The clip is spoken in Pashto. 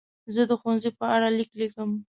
زه د ښوونځي په اړه لیک لیکم.